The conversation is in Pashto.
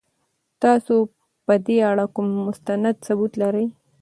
تاسو په دې اړه کوم مستند ثبوت لرئ؟